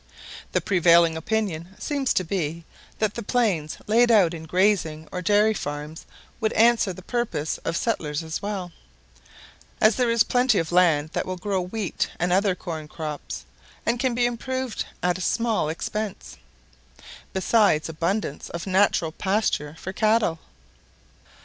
The prevailing opinion seems to be, that the plains laid out in grazing or dairy farms would answer the purpose of settlers well; as there is plenty of land that will grow wheat and other corn crops, and can be improved at a small expense, besides abundance of natural pasture for cattle.